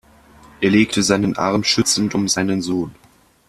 Er legte seinen Arm schützend um seinen Sohn.